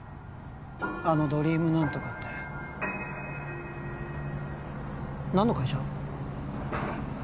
あのドリーム何とかって何の会社？